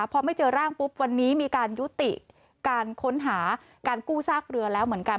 พอไม่เจอร่างปุ๊บวันนี้มีการยุติการค้นหาการกู้ซากเรือแล้วเหมือนกัน